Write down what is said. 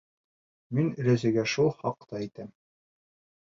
Мин оләсәйгә шул хаҡта әйтәм.